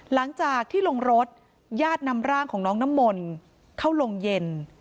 หลังจากที่ลงรถญาตินำร่างของน้องน้ำมนต์เข้าโรงเย็น